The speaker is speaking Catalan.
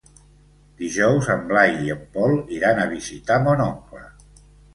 Dijous en Blai i en Pol iran a visitar mon oncle.